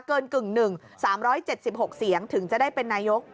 กึ่ง๑๓๗๖เสียงถึงจะได้เป็นนายก